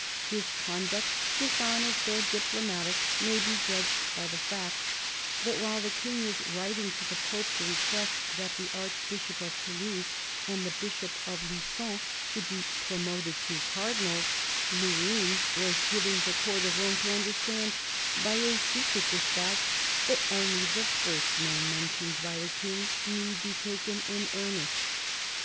His conduct, dis honest or diplomatic, may be judged by the fact that while the King was writing to the Pope to request that the Arch bishop of Toulouse and the Bishop of Lu9on should bg 120 CAEDINAL DE RICHELIElT promoted to be cardinals, Luynes was giving the Court of Rome to understand, by a secret despatch, that only the first name mentioned by the King need be taken in earnest.